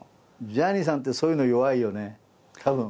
ジャニーさんってそういうの弱いよねたぶん。